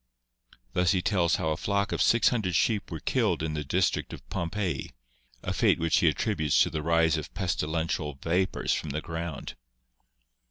Thus he tells how a flock of 600 sheep were killed in the district of Pompeii, a fate which he attributes to the rise of pestilential vapors from the ground.